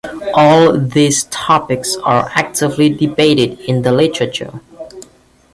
All these topics are actively debated in the literature.